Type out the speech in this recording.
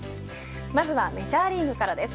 まずはメジャーリーグからです。